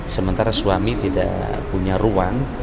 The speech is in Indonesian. sementara suami tidak punya ruang